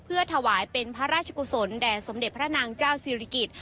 เพื่อถวายเป็นพระราชกุศลแด่สมเด็จพระนางเจ้าศิริกิจ